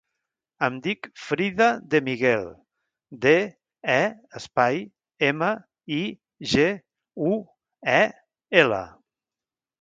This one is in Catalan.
Em dic Frida De Miguel: de, e, espai, ema, i, ge, u, e, ela.